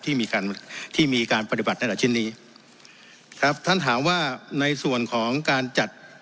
ที่มีการที่มีการปฏิบัติตั้งแต่ชิ้นนี้ครับท่านถามว่าในส่วนของการจัด